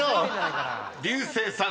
［竜星さん